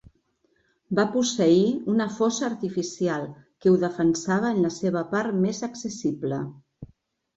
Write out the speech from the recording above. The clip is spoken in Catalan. Va posseir una fossa artificial que ho defensava en la seva part més accessible.